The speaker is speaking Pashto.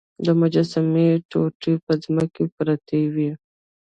د مجسمې ټوټې په ځمکه پرتې وې.